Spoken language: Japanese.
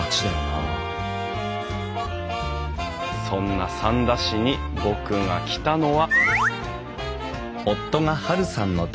そんな三田市に僕が来たのは。